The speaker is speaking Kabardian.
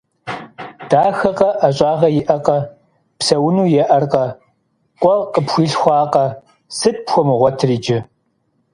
Дахэкъэ, ӏэщӏагъэ иӏэкъэ, псэуну еӏэркъэ, къуэ къыпхуилъхуакъэ. Сыт пхуэмыгъуэтыр иджы?